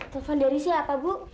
telepon dari siapa bu